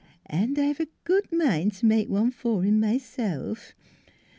An' I've a good mind to make one for him myself.